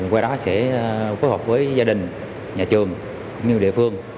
qua đó sẽ phối hợp với gia đình nhà trường cũng như địa phương